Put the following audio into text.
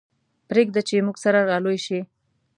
پرېږده چې موږ سره را لوی شي.